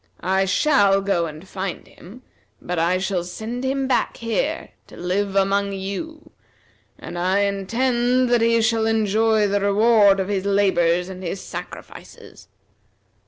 I shall go and find him, but I shall send him back here to live among you, and I intend that he shall enjoy the reward of his labor and his sacrifices.